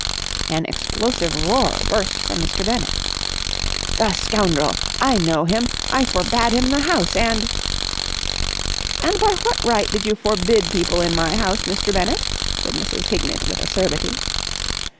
An explosive roar burst from Mr. Bennett. "The scoundrel! I know him! I forbade him the house, and...." "And by what right did you forbid people my house, Mr. Bennett?" said Mrs. Hignett with acerbity.